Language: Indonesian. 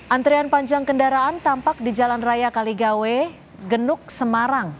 antrian panjang kendaraan tampak di jalan raya kaligawe genuk semarang